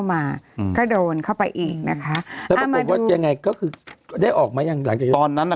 ห้างในที่ที่ห้ามมอเตอร์ไซค์เข้าข้าวมา